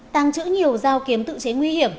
tàng trữ nhiều giao kiếm tự chế nguy hiểm